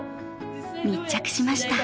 密着しました。